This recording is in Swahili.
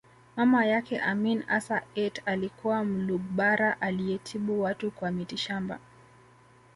Mama yake Amin Assa Aatte alikuwa Mlugbara aliyetibu watu kwa mitishamba